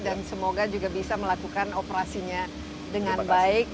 dan semoga juga bisa melakukan operasinya dengan baik